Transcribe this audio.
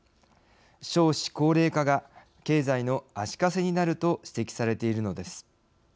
少子高齢化が経済の足かせになると指摘されているのです。